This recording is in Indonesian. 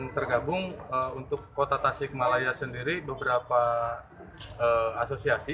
tergabung untuk kota tasik malaya sendiri beberapa asosiasi